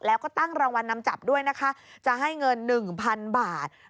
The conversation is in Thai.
แล้วก็ตั้งรางวัลนำจับด้วยนะคะจะให้เงิน๑๐๐๐บาท